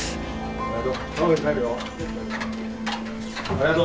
ありがとう。